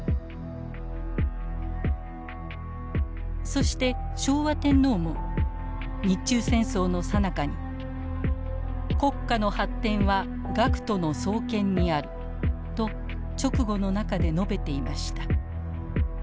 そして昭和天皇も日中戦争のさなかに国家の発展は学徒の双肩にあると勅語の中で述べていました。